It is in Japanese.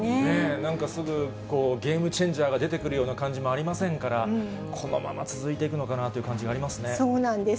なんかすぐゲームチェンジャーが出てくるような感じもありませんから、このまま続いていくのそうなんです。